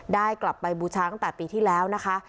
ได้กลับไปบูชาตั้งแต่ปีที่แล้วนะคะ